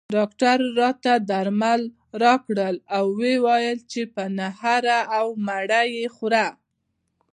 ډاکټر راته درمل راکړل او ویل یې چې په نهاره او مړه یې خوره